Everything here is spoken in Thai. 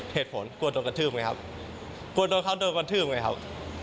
กลัวโดนกระทืบไหมครับกลัวโดนเขาโดนกระทืบไงครับ